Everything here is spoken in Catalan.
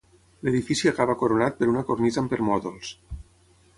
L'edifici acaba coronat per una cornisa amb permòdols.